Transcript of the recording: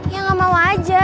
ya gak mau aja